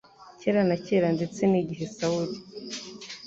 kera na kare ndetse n igihe Sawuli